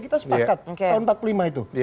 kita sepakat tahun empat puluh lima itu